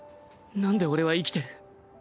何で俺は生きてる？